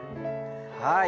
はい。